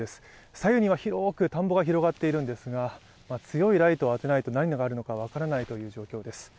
左右には広く田んぼが広がっているんですが強いライトを当てないと何があるのか分からないというような状況です。